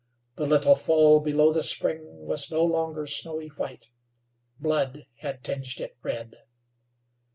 The little fall below the spring was no longer snowy white; blood had tinged it red.